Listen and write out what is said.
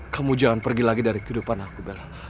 kamu jangan pergi lagi dari kehidupan aku bella